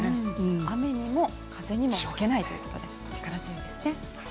雨にも風にも負けないということで力強いですよね。